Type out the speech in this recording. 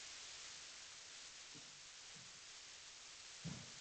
Německé podniky také v nových členských státech hodně investují.